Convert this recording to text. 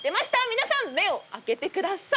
皆さん目を開けてください。